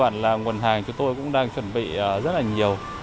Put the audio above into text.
nguồn hàng chúng tôi cũng đang chuẩn bị rất là nhiều